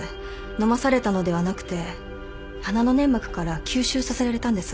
飲まされたのではなくて鼻の粘膜から吸収させられたんです。